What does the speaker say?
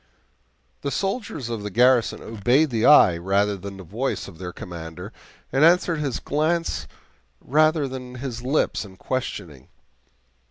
The soldiers of the garrison obeyed the eye rather than the voice of their commander, and answered his glance rather than his lips in questioning.